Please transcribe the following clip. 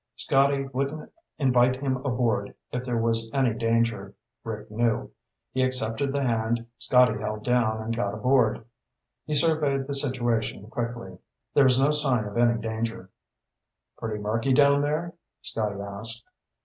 Scotty wouldn't invite him aboard if there was any danger, Rick knew. He accepted the hand Scotty held down and got aboard. He surveyed the situation quickly. There was no sign of any danger. "Pretty murky down there?" Scotty asked.